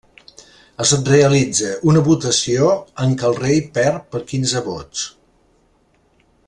Es realitza una votació en què el rei perd per quinze vots.